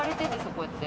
こうやって。